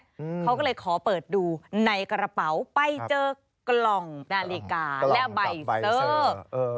อืมเขาก็เลยขอเปิดดูในกระเป๋าไปเจอกล่องนาฬิกาและใบเซอร์เออ